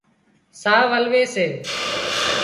ساهَه ولوي سي